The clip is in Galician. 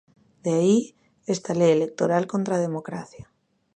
De aí, esta lei electoral contra a democracia.